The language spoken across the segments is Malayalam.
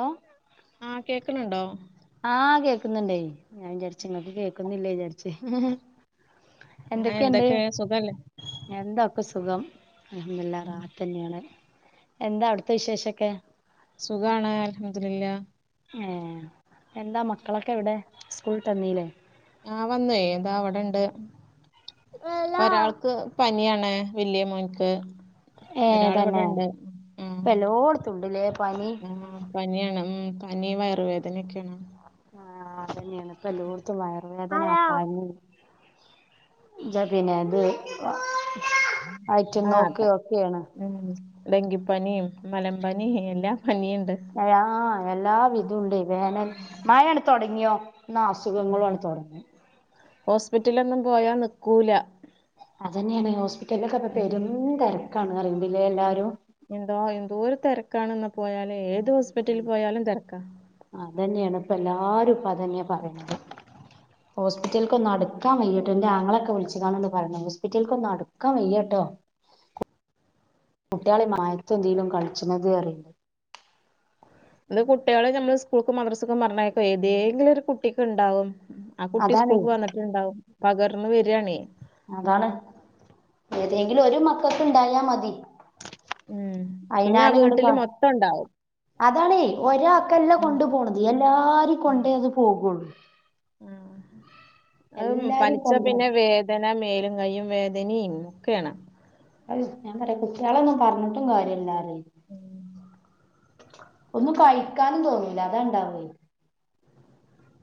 ഓ ആ കേക്കുന്നുണ്ടോ? ആ കേക്കുന്നുണ്ടായി ഞാൻ വിചാരിച്ചു നിങ്ങക്ക് കേക്കുന്നില്ലേ വിചാരിച്ച്. ആഹ് എന്തൊക്കെയുണ്ട്? എന്തൊക്കെ സുഖല്ലേ എന്താ ഇപ്പം സു സുഖം. അൽഹംദുലില്ല ഉം. റാഹത്ത് തന്നെയാണ്. എന്താ അവിടുത്തെ വിശേഷൊക്കെ? സുഖാണ് അല്ല് ഹമ്മ് ദുല്ലാ ഏ എന്താ മക്കളൊക്കെ എവിടെ സ്കൂവിട്ട് വന്നില്ലേ ആ വന്ന് ദാ ഇവടെ ഒണ്ട് ഒരാള്ക്ക് പനിയാണ് വല്ല്യയ മോനിക്ക് വേദന ഇപ്പ എല്ലോടത്തും ഒണ്ടല്ലേ ഉം പനിയാണ് ഉം പനിയും വയറ് വേദനൊക്കെയാണ് ആ അത് തന്നെയാണ് ഇപ്പോ എല്ലോടുത്തും വയറ് വേദന ആഹ് പനി ജാ പിന്നെ ഇത് അയിറ്റം നോക്ക് അതെ ഓക്കെയാണ് ഉം ഡെങ്കിപ്പനിയും, മലമ്പനിയും എല്ലാം [unintelligible] എല്ലാ വിധവും ഒണ്ട് വേനൽ ഉം മഴങ്ങ് തെടങ്ങിയോ എന്നാ അസുഖങ്ങളും അങ്ങ തെടങ്ങും ഹോസ്പിറ്റിലൊന്നും പോയാ നിക്കൂല്ലാ അത് തന്നെയാണ് ഹോസ്പിറ്റലിലൊക്കെ ഇപ്പം പെരും തെരാ ഉം എന്തോ എന്തോര് തെരക്കാണാന്നോ പോയാല് ഏ ത് ഹോസ്പിറ്റലി പോയാലും തെരക്കാ ഇപ്പം എല്ലാരും ഇപ്പ അത് തന്നെയാ പറയാണത് ഹോസ്പിറ്റല്ക്ക് ഒന്ന് അട്ക്കാൻ വൈയ്യട്ടേ എന്റെ ആങ്ങളക്കെ വിളിച്ചതാണേന്ന് പറഞ്ഞേ ഹോസ്പിറ്റ്ലേക്ക് ഒന്ന് അട്ക്കാൻ വയ്യേ ട്ടോ കുട്ടികളെ മായത്തെ എന്തേലും കളിച്ചാണത് അറി അത് കുട്ടികളെ നമ്മള് സ്കൂൾക്കും മദ്രസ്ക്കും പറഞ്ഞായിക്കും ഏതെലും ഒര് കുട്ടിക്കോണ്ടാവും ആ കുട്ടി അതാണ് സ്കൂൾക്ക് വന്നിട്ടുണ്ടാവും പകർന്ന് വെ അതാണ് ഏതെങ്കിലും ഒര് മക്കക്ക് ഇണ്ടായാ മതി ഉം പിന്നെ ആ അയിനാലും ഇങ്ങട് വീട്ടില് മൊത്തം ഒണ്ടാവും അതാണേ ഒരാക്കല്ലാ കൊണ്ട് പോണത് എല്ലാരും ഉം കൊണ്ടേ അത് പോകുള്ളൂ അതും എല്ലാരിം പനിച്ചാ പിന്നെ കൊല്ലാണ് വേദന മേലും കയ്യും വേദനിയും ഒക്കെയാണ് [unintelligible] ഞാൻ പറയും കുട്ടിളൊന്നും പറഞ്ഞിട്ടും കാര്യ ഇല്ല ഉം. ഒന്നും കഴിക്കാനും തോന്നുല്ലാ അതാ ഇണ്ടാവ്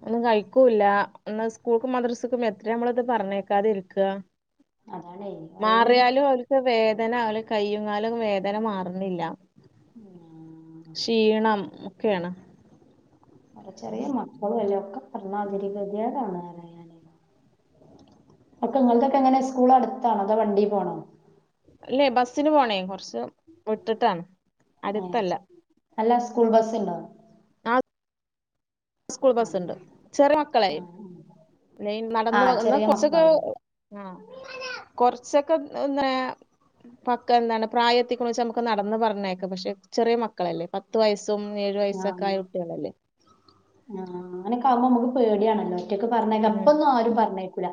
ഒന്നും കഴിക്കൂല്ലാ എന്നാ സ്കൂൾക്കും മദ്രസക്കും എത്രയാ നമ്മളത് പറഞ്ഞായ്യാക്കാതെ ഇരിക്ക്യാ അതാണേ അയിനൊരു മാറിയാലും അവരക്ക് വേ വേദന അല് കയ്യും കാലും വേദന മാറ്ന്നില്ല ക്ഷീണം ക്കെയാണ് ചെറിയ മക്കളും അല്ലേ ഒക്കെ [unintelligible] അക്ക നിങ്ങള്കൊക്കെ എങ്ങനെ സ്കൂള് അട്ത്താണോ അതോ വണ്ടി പോണോ അല്ലെ ബെസ്സിന് പോണേ കൊറച്ച് വിട്ടിട്ടാണ് ഏഹ് അട്ത്തല്ലാ അല്ല സ്കൂൾ ബെസ്സ് ഇണ്ടോ സ്കൂൾ ബെസ് ഇണ്ട് ചെറിയ മക്കളായി ആഹ് [unintelligible] നടന്ന് ആഹ് എന്നാ ചെറിയ കൊറച്ചൊക്കെ മക്കളാവുല്ലേ ആ കൊറച്ചൊക്കെ എന്നേ പക്ക എന്താണ് പ്രായത്തിക്കുറിച്ച് നമ്മക്ക് ഒന്ന് അളന്ന് പറഞ്ഞേക്ക് പശെ ചെറിയ മക്കളല്ലേ പത്ത് വയസ് പത്തും, ഏഴു വയസ്സാക്കെ ആയ കുട്ടികളല്ലേ ആ അങ്ങനൊക്കേ ആവുമ്പോ നമക്ക് പേടിയണല്ലോ ട്ടിക്കെ പറഞ്ഞാ ഉം അപ്പൊന്നും ആരും പറഞ്ഞേക്കൂല്ലാ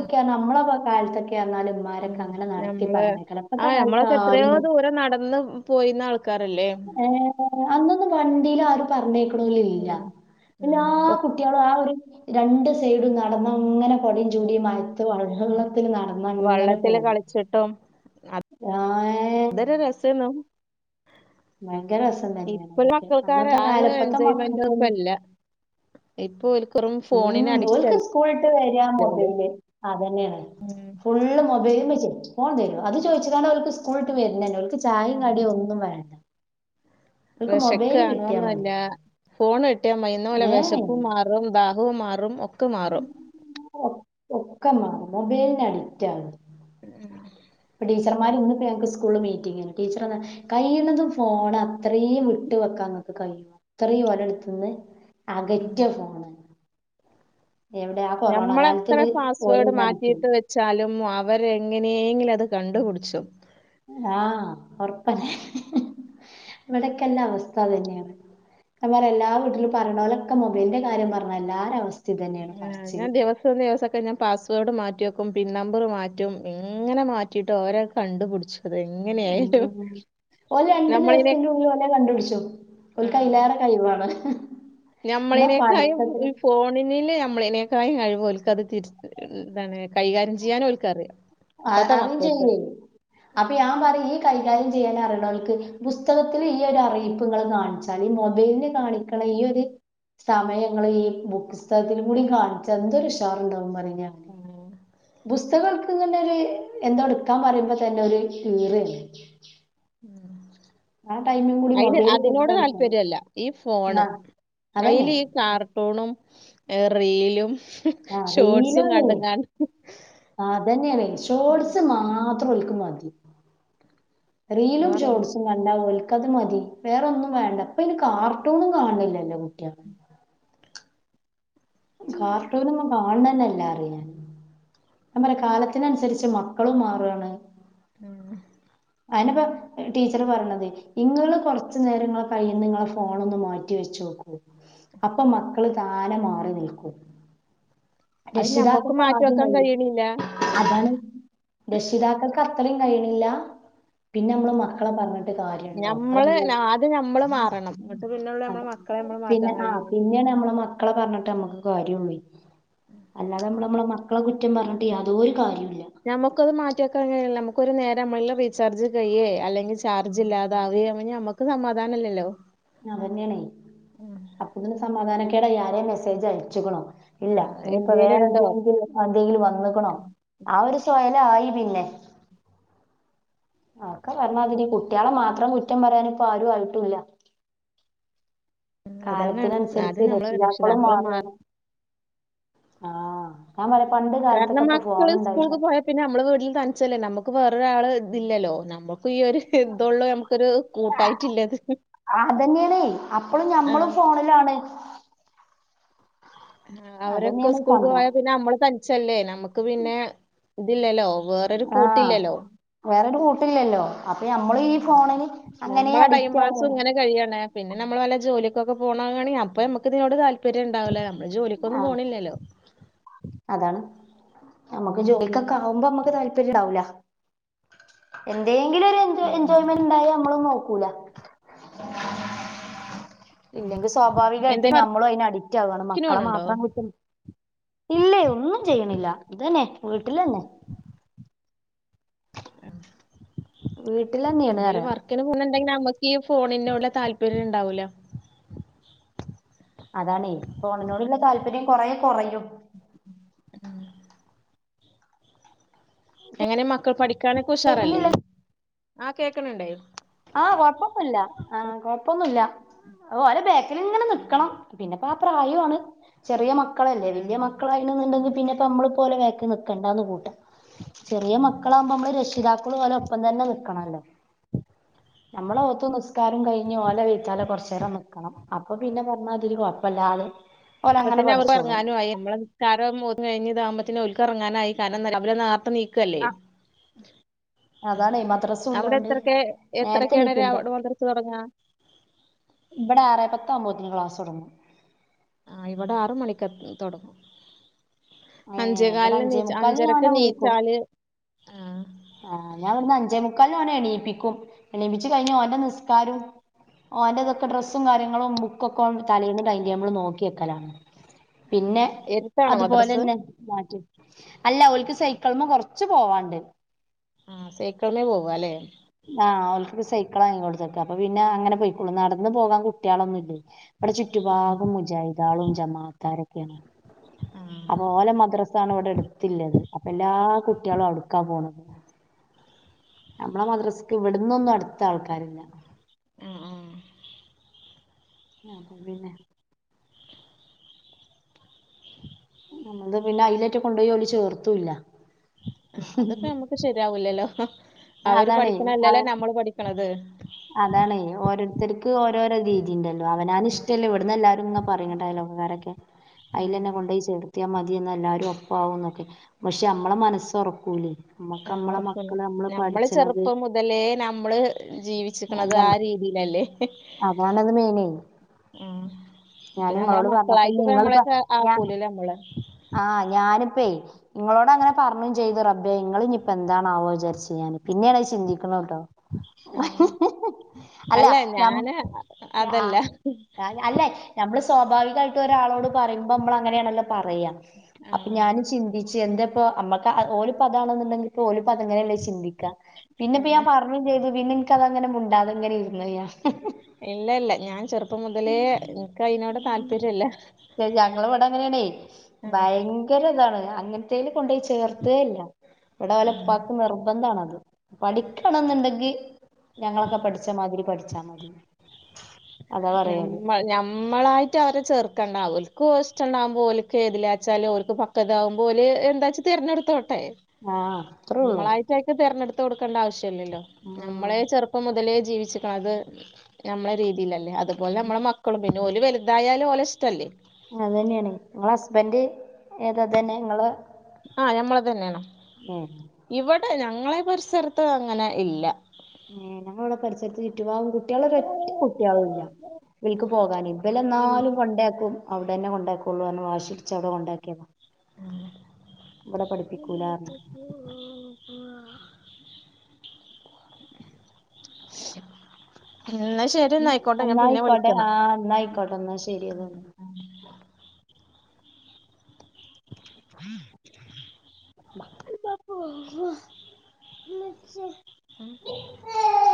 ഉം നമ്മളെയോക്കെ കാല ക്കന്നാലും ഇവമാരാക്കെ ഉം അങ്ങനെ നടത്തി നമ്മള് പറഞ്ഞേക്കണ് ഇപ്പത്തെ ആഹ് കാലത്ത് നമ്മളൊക്കെ എത്രയോ ആരും ദൂരം നടന്ന് പോയിന്ന ആൾക്കാരല്ലേ യെ അന്നൊന്നും വണ്ടില് ആരും പറഞ്ഞേ ഇല്ലാ ഉം എല്ലാ ആഹ് കുട്ടിയാളും ആ ഒര് രണ്ട് സൈഡി നടാന്ന് അങ്ങനെ കൊടേയും ചൂടിയും മഴത്ത് [unintelligible] ത്തി നടന്നാങ്ങനെ വള്ളത്തില് പോകും ആ ഇതൊര് [unintelligible] [unintelligible] തന്നെയാണ് ഇപ്പം ഒള്ള അതൊക്കെ. ആൾക്കാര് അന്നത്തെ ആ ഒരു കാലം ഇപ്പത്തെ എൻജോയ്മെൻ്റ് മക്കൾക്കൊന്നും ഒന്നുല്ല ഇപ്പം ഉം ഓരുക്ക് സ്കൂൾ വിട്ട് വരാ മൊബൈല് അതുതന്നെയാണ് ഉം ഫുള്ള് മൊബൈ ഉമ്മച്ചി ഫോൺ തരുവോ അത് ചോദിച്ചട്ടാണ് ഓരൊക്കെ സ്കൂള് വിട്ട് വരുണ തന്നെ ഓർക്ക് ചായയും കടിയും ഒന്നും വേണ്ട ഓൽക്ക് വിശക്ക് മൊബൈല് കിട്ടിയാ മതി. കാണോന്നല്ല ഫോൺ കിട്ടിയ മയിന്ന് പോലെ ഏഹ് വിശപ്പും മാറും ദാഹ ഹവും മാറും ഒക്കെ മാറും ക്കെ ഒക്കെ മാറും മൊബൈലിന് അഡിക്റ്റ് ആണ് മം ടീച്ചർമാർ ഇന്നിപ്പോ ഞങ്ങക്ക് സ്കൂള് മീറ്റിങ്ങാണ് ടീച്ചറ് കഴിയുന്നതും ഫോൺ അത്രയും വിട്ട് വെക്കാൻ ന- മുക്ക് കഴിയോ അത്രയും ഓരടുത്തുന്ന് അകറ്റാ ഫോണ് എവിടെ ആ കൊറോണ ഞമ്മളെത്ര കാലത്തിൽ ഓലെ പാസ്‌വേഡ് നടക്കും മാറ്റിയിട്ട് വെച്ചാലും അവർ ര് എങ്ങനെയങ്കിലും അത് കണ്ടുപിടിച്ചും ആ ഉറപ്പല്ലേ ഇവിടക്കെല്ല അവസ്ഥ അതുതന്നെയാണ് അമ്മമാർ എല്ലാ വീട്ടിലും പറയണ പോലൊക്കെ മൊബൈലിന്റെ കാര്യം പറഞ്ഞ എല്ലാരേയും അവസ്ഥ ഇത് തന്നെയാണ് ആ പറച്ചില് ഞാൻ ദിവസം ദിവസൊക്കെ ഞാൻ പാസ്‌വേഡ് മാറ്റി റ്റിവെക്കും പിൻ നമ്പറ് മാറ്റും എങ്ങനെ മാറ്റിയിട്ടും ഓരത് കണ്ടുപിടിച്ചു എങ്ങനെയായാലും ഒരു രണ്ടു നമ്മളിനെ ദിവസത്തിന്റെ ഉള്ളിലെ കണ്ടുപടിച്ചു ഓർക്ക് അയിലേറെ കഴിവാണ് എന്നാ ഞമ്മളതിനേക്കായും പഠിത്തത്തിന് ഈ ഫോണില് നമ്മളതിനേക്കായും കഴിവ ഓല്ക്ക് അത് തിരി എന്താണ് കൈകാര്യം ചെയ്യാനും ഓരുക്ക് അറിയാം അ അറിയും ചെയ്യുവേ അപ്പൊ ഞാൻ പറയും ഈ കൈകാര്യം ചെയ്യാൻ അറിയനോർക്ക്- പുസ്തകത്തില് ഈ ഒരു അറിയിപ്പ് ഇങ്ങള് കാണിച്ചാല് ഈ മൊബൈലില് കാണിക്കണ ഈ ഒരു- സമയം ഇങ്ങള് ഈ പുസ്തകത്തല് കൂടി കാണിച്ച എന്തോരു ഉഷാറുണ്ടാവും പറയും ആഹ് പുസ്തക ഇങ്ങനെ ഒരു എന്തോ എടുക്കാൻ പറയുമ്പോ തന്നെ ഒരു കീറാണ് അയിന് മൊബൈലിൽ അതിനോട് കൊടുത്താൽ ഉഷാറാ താല്പര്യവില്ല ഈ ആ ഫോണ്- അതന്നെ അയില് ഈ കാർട്ടൂണും റീലും ആ ഷോർട്സും റീലാണേ കണ്ടുംങ്ങാണ്ട് ആ അതന്നെയാണ് ഷോർട്സ് മാത്ര മാത്രം ഓല്ക്ക് മതി റീലും വേറൊന്നും ഷോർട്ട്‌സും കണ്ടാൽ ഓല്ക്ക്- അത് മതി വേറൊന്നും വേണ്ട ഇപ്പം ഇനി കാർട്ടൂണും കാണണില്ലല്ലോ കുട്ടികള കാർട്ടൂണെന്നും കാണണം തന്നില്ല [unintelligible] നമ്മുടെ കാലത്തിനനുസരിച്ച് മക്കളും മാറുവാണ് മം [unintelligible] ടീച്ചർ പറഞ്ഞത് ഇങ്ങള് കുറച്ചു നേരം ഇങ്ങളെ കയ്യിന്ന് ഫോണോന്ന് മാറ്റി വെച്ചു നോക്കു- അപ്പൊ മക്കള് താനെ മാറി നിൽക്കൂ അത് ഞമ്മക്ക് രക്ഷിതാക്കൾക്ക് മാറ്റി ആദ്യം വെക്കാൻ കഴിയും കഴിയണില്ല അതാണ് രക്ഷിതാക്കൾക്ക് അത്രയും കഴിയണില്ല പിന്നെ നമ്മള് മക്കളെ പറഞ്ഞിട്ട് കാര്യവോണ്ടോ ഞമ്മള് അതാണ്- ആദ്യം ഞമ്മള് മാറണം എന്നിട്ട് പിന്നൊള്ളൂ നമ്മളെ അതെ മക്കളെ നമ്മള് പിന്നെ മാറ്റാൻ ആ കഴിയുള്ളൂ പിന്നെയാണ് ഞമ്മളെ മക്ക മക്കളെ പറഞ്ഞിട്ട് ഞമ്മക്ക് കാര്യവൊള്ളെ അല്ലാതെ നമ്മള് നമ്മളെ മക്കളെ കുറ്റം പറഞ്ഞിട്ട് യാതൊരു കാര്യം ഞമ്മക്ക് അത് മാറ്റിവക്കാൻ കഴിയുല്ലേ നമുക്കൊരു നേരം [unintelligible] റീചാർജ് കയ്യിയെ അല്ലെങ്കി ചാർജ് ഇല്ലാതാവുവേ ഞമ്മക്ക് സമാധാനമില്ലല്ലോ അതെനെയാണേ അപ്പോത്തിന് സമാധാനക്കേടായി ആരേലും മെസ്സേജ് അയച്ചിക്കണോ ഇല്ല ആഹ് ഇനിയിപ്പോ എന്തേലും വേറെ ഇണ്ടോ എന്തെങ്കിലും എന്തെങ്കിലും വന്നിക്കണോ ആ ഒരു [unintelligible] പിന്നെ ഒക്കെ പറഞ്ഞമാതിരി കുട്ടികളെ മാത്രം കുറ്റം പറയാനിപ്പോ ആരും ആയിട്ടുവില്ല അതാണ് കാലത്തിനനുസരിച്ച് ആദ്യം നമ്മള് രക്ഷിതാക്കളും രക്ഷിതാക്കള് മാ മാറുവാണ് ആ കാരണം മക്കള് സ്കൂൾക്ക് പോയാ പിന്നെ നമ്മള് വീട്ടില് തനിച്ചല്ലേ നമ്മുക്ക്- വേറൊരാള് ഇതില്ലല്ലോ നമ്മുക്ക് ഈ ഒരു ഇതൊള്ളൂ നമുക്കൊരു കൂട്ടായിട്ടളത് അതന്നെയണേ അപ്പളും ഞമ്മളും ഫോണിലാണ് ആ അവരൊക്കെ അതന്നെയാണ് സ്കൂൾ പോയാ സംഭവം പിന്നെ നമ്മള് തനിച്ചല്ലേ നമ്മുക്ക് പിന്നെ ഇതില്ലല്ലോ വേറൊരു ആഹ കൂട്ടില്ലല്ലോ വേറൊരു കൂട്ടില്ലല്ലോ അപ്പൊ നമ്മള് ഈ ഫോണിന് അങ്ങനെയ നമ്മളെ ടൈം അഡിക്റ്റ് പാസും ആകണം ഇങ്ങനെ കഴിയാണ് പിന്നെ നമ്മള് വല്ല ജോലിക്കൊക്കെ പോണവാണെങ്കിൽ അപ്പോ നമുക്ക്തിനോ താല്പര്യം ഉണ്ടാവില്ല ആ ജോലിക്കൊന്നും പോണില്ലല്ലോ അതാണ് നമുക്ക് ജോലിക്കൊക്കെ ആവുമ്പോ നമ്മുക്ക് താല്പര്യം ഉണ്ടാവൂല എതെങ്കിലും ഒരു എൻജോയ്മെന്റ് ഉണ്ടായ നമ്മളും നോക്കൂല ഇല്ലെങ്കിൽ സ്വാഭാവികമായിട്ട് എന്തേ ഞമ്മളും അതിന് അഡിക്റ്റ് ആവുവയാണ് വർക്കിന് മക്കളെ പോണുണ്ടോ മാത്രം കുറ്റ- ഇല്ല ഒന്നും ചെയ്യണില്ല ഇതന്നെ വീട്ടിൽന്നെ വീട്ടിലന്നെയാണ് എന്തേലും പറയാ വർക്കിന് പോണൊണ്ടെങ്കി നമ്മക്ക്- ഈ ഫോണിന ഉള്ള താല്പര്യം ഉണ്ടാവൂല അതാണേ ഫോണിനോടുള്ള താല്പര്യം കൊറെ കൊറയും ഉം എങ്ങനെ മക്കൾ പഠിക്കാനൊക്കെ ഉഷാറല്ലേ കേക്കുന്നില്ലേ ആ കേക്കനുണ്ടേ ആഹ കൊഴപ്പൊന്നുമില്ല ആഹ കൊഴപ്പൊന്നുമില്ല ഓ ഒ ബേക്കിൽ ഇങ്ങനെ നൽക്കണം പിന്നെ- അപ്പൊ ആ പ്രായമാണ് ചെറിയ മക്കളല്ലേ വലിയ മക്കളായിന്നുണ്ടെങ്കിൽ പിന്നെപ്പ നമ്മള്- പോലെ വഴക്കിനു നിക്കണ്ടാന്ന് കൂട്ടാ ചെറിയ മക്കളാകുമ്പോ നമ്മള് രക്ഷിതാക്കള് പോലെ ഒപ്പം തന്നെ വെക്കണല്ലോ [inaudible] നമ്മള് ഓത്തു നിസ്കാരം കഴിഞ്ഞ് ഓലെ വിളിച്ചാലേ കൊറച്ച് നേരം നിക്കണം അപ്പൊ പിന്നെ പറഞ്ഞമാതിരി കൊഴപ്പമില്ല ആള്- അപ്പൊതന്നെ അവർ ഇറങ്ങാനും ആയി നമ്മളെ നിസ്കാരം ഓന് കഴിഞ്ഞ ഇതാകും - ത്തി ഓൾക്ക് ഇറങ്ങാൻയായി കാരണം എന്താ നേർത്തെ നിക്കുവല്ലേ അതാണെ മദ്രസും അവിടെ ഉള്ളോണ്ട് എത്രക്കെ നേരത്തെ എത്രക്കെയാണ എണീക്കുംട്ടോ അവിടെ വന്ത്രി [unintelligible] ച്ച് തൊടങ്ങാ ഇവിടെ ആറേ പത്ത് ആവുമ്പഴുതേന് ക്ലാസ്സ് തോടങ്ങും ആ ഇവിടെ ആറ് മണിക്ക് തൊടങ്ങും ഏഹ് ഇവിടെ അഞ്ചേകാലിന് അഞ്ചേ എണിച്ച മുക്കാലിന് ഞാൻ അഞ്ചരക്ക് ഓനെ വിളിക്കും എണിച്ചാല് ആഹ് ഞാൻ ഇവിടുന്ന് അഞ്ചേമുക്കാലിന് അവനെ എണീപ്പിക്കും എണീപ്പിച്ച് കഴിഞ്ഞ് ഓന്റെ നിസ്കാരവും ഓന്റെ ഇതൊക്കെ ഡ്രസ്സും കാര്യങ്ങളും ബുക്കൊക്കെ ഓൻ തലേന്ന് ടൈംടേബിള് നോക്കി വെക്കലാണ് ആ പിന്നെ എടുത്താണോ അതുപോലെ മദ്രസ് തന്നെ മാറ്റ് അല്ല അവൾക്ക് സൈ ക്കിൾമേ കൊറച്ച് പോവാനുണ്ട് ആ സൈക്കിളിമേ പോവാല്ലേ ആ ഓൾക്കിപ്പോ സൈ ക്കളങ്ങ് കൊടുത്തേക്കുക അപ്പ പിന്നെ അങ്ങനെ പോയിക്കോളും നടന്ന് പോകാൻ കുട്ടികളൊന്നും ഇല്ലേ ഇവിടെ ആ ചുറ്റുപാടും മുജാഹിദ് ആളും ജമാഅത്തുകാരും ഒക്കെയാണ് ആ അപ്പൊ ഓലെ മദ്രസായില് അവിടെ എടുത്തില്ലത് അപ്പൊ എല്ലാ കുട്ടികളും അവിടേക്കാ പോണത് നമ്മടെ മദ്രസക്ക് ഇവിടുന്നൊന്നും അടുത്ത് ആൾക്കാരില്ല ഉം ഉം ആഹ് അപ്പോ പിന്നെ നമ്മളുടേത് പിന്നെ അതിലേറ്റ കൊണ്ടുപോയി ഓല് ചേർത്തൂല്ല ആ അതൊക്കെ നമുക്ക് ശരിയാവില്ലല്ലോ അവര് അതാണേ പഠിക്കണ അല്ലല്ലോ അവൻ നമ്മള് പഠിക്കണത് അതാണേ ഓരോരുത്തർക്ക് ഓരോരോ രീതി ഉണ്ടല്ലോ അവനവന് ഉം ഇഷ്ടല്ല ഇവിടന്ന് എല്ലാരും ഇങ്ങനെ പറയുന്നുണ്ട് ഐലോക്കക്കാരൊക്കെ അയില് ഉം തന്നെ കൊണ്ടോയി ചേർത്തിയാ മതിയെന്ന് എല്ലാരും ഒപ്പവാകൂന്നൊക്കെ പക്ഷെ നമ്മടെ മനസ്സ് ഉറക്കൂല്ലേ ആ ഉറക്കവില്ല നമ്മള് ചെറുപ്പം മുതലേ നമ്മള് ജീവിച്ചിക്കുന്നണത് ആ രീതിയിൽ അതാണങ്ങനെ ചെയ്യുന്നതേ ആ ഇപ്പൊ ഞമ്മളെ മക്കളായിട്ട് ഇപ്പ നിങ്ങളിപ്പ നമ്മളെയൊക്കെ ഞാ ആക്കൂലല്ലേ നമ്മള് ആഹ് ഞാനിപ്പേയ് നിങ്ങളോട് അങ്ങനെ പറഞ്ഞുകയും ചെയ്തു റബ്ബേ ഇങ്ങൾ ഇനിയിപ്പോ എന്താണാവോ വിചാരിച്ച് ഞാന് പിന്നെയാണത് ചിന്തിക്കണത് കേട്ടോ ആഹ് അല്ല ന ആ അതല്ല അല്ല നമ്മള് സ്വാഭാവികമായിട്ട് ഒരാളോട് പറയുമ്പോ നമ്മള ങ്ങനെ ആണല്ലോ പറയാ അപ്പ ആഹ് ഞാന് ചിന്തിച്ച് എന്ത പ്പൊ അമ്മക്ക് അ ഓല് പ്പതാണ്ന്ന്ണ്ടെങ്കിൽപ്പോ ഓല് പ്പൊ അതങ്ങനെല്ലേ ചിന്തിക്ക പിന്നെപ്പ ഞാൻ പിന്നെ പറഞ്ഞും ചെയ്ത് പിന്നെ ഇൻക്ക അതങ്ങനെ മുണ്ടാതങ്ങനെ ഇരുന്നയ്ഞ്ഞ ഹ് ഹ് ഇല്ല ഇല്ല ഞാൻ ചെറുപ്പം മുതലേ ൻക്കയ്നോട് താല്പര്യല്ല എ ഞങ്ങളെ ഇവടെ അങ്ങനെയാണേ ആഹ് ഭയങ്കര ഇതാണ് അങ്ങൻത്തേന് കൊണ്ടാേയി ചേർത്തേല്ല ഇവ്ടെ ആഹ് ഓലെപ്പാക്ക് നിർബന്ധമാണത് പഠിക്കണംന്ന്ണ്ടെങ്കി ഞങ്ങളൊക്കെ പഠിച്ചമാതിരി പഠിച്ചാ മതി അതാ ഞം പറയല് ഞമ്മളായിട്ട് അവരെ ചേർക്കെണ്ടല്ല ക്ക് ഓല്ഷ്ണ്ടാവുമ്പോ ഓൽക്ക് ഏതിലാച്ചാല് ഓൽക്ക് പക്കതാകുമ്പോല് എന്താച്ചാ തെരഞ്ഞടുത്തോ ട്ടെ ആഹ് അത്രേ ഉള്ളൂ നമ്മളായ്ട്ടയ്ക്ക് തെരഞ്ഞെട് കൊടുക്കേണ്ട ആവശ്യല്ലല്ലോ നമ്മളെ ഉം ചെറുപ്പം മുതലേ ജീവിച്ചിക്ക്ണത് ഞമ്മളെ രീ ഇല്ലല്ല അതുപോലെ ഞമ്മളെ മക്കളും പിന്നെ ഓല് വല്തായാല് ഓലെ ഇഷ്ടല്ലേ അതെന്നെണെ ഇങ്ങളെ ഹസ്ബന്റ് ഏതാത ഇതെന്നെ ഇങ്ങളെ ആ ഞമ്മളതന്നേണ് ഉം ഞങ്ങളെ ഈ പര്സരത്ത് അങ്ങനെ ഇല്ല ഏ ഞങ്ങവ്ടെ പരിസരത്ത് ചുറ്റുപാവും കുട്ട്യാളൊരറ്റ കുട്ട്യാളുംല്ല ബൽക്ക് പോകാന് ഇബലെന്നാലും കൊണ്ടേയാക്കും അവ്ടെന്നെ കൊണ്ടേക്കാെള്ളുർഞ്ഞ് വാഷിട്ച്ച് അമ്ടെ കൊണ്ടേക്കിയത ഇവ്ടെ പഠിപ്പിക്കൂലാർഞ്ഞ് ന്ന ശെരിന്ന അയ്ക്കോട്ടെ ഞാൻ പിന്നെ എന്നായിക്കോട്ടെ വിളിക്കന്ന ആഹ് എന്നായിക്കോട്ടെ എന്നാ ശരി എന്നാല്. [inaudible]